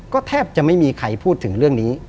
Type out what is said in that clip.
ก็แทบจะไม่มีใครพูดถึงเรื่องนี้